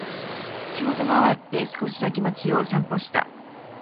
仕事が終わって、少しだけ街を散歩した。